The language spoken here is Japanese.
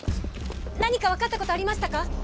何か分かったことありましたか？